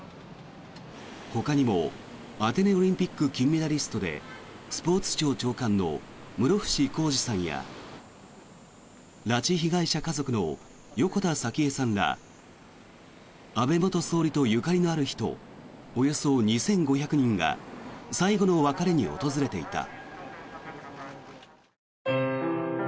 ほかにもアテネオリンピック金メダリストでスポーツ庁長官の室伏広治さんや拉致被害者家族の横田早紀江さんら安倍元総理とゆかりのある人およそ２５００人が最後の別れに訪れていた。